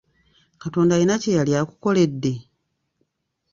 Katonda alina kye yali akukoledde?